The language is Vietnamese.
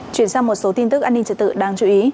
chuyển sang một số tin tức an ninh trật tự đáng chú ý